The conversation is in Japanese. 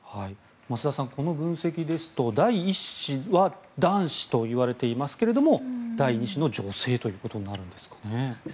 増田さんこの分析ですと第１子は男子といわれていますけれども第２子の女性ということになるんですかね。